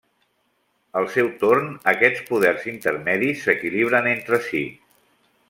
Al seu torn, aquests poders intermedis s'equilibren entre si.